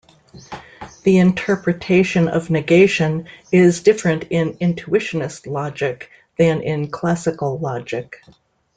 The interpretation of negation is different in intuitionist logic than in classical logic.